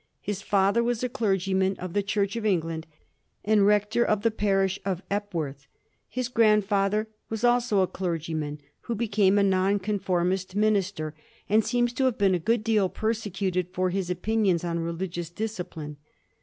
His father was a clergy man of the Church of England, and rector of the parish of Epworth ; his grandfather was also a clergyman, but became a Non conformist minister, and seems to have been a good deal persecuted for his opinions on religious discipline.